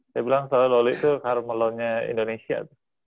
saya bilang selalu loli tuh carmel loan nya indonesia